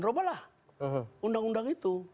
robalah undang undang itu